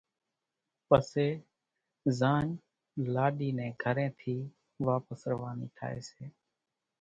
پسيَ زاڃ لاڏِي نين گھرين ٿِي واپس روانِي ٿائيَ سي۔